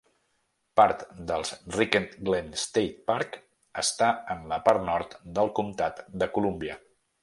Part del Ricketts Glen State Park està en la part nord del comtat de Columbia.